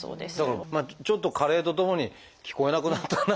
だからちょっと加齢とともに聞こえなくなったかなっていう。